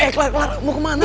eh clara mau kemana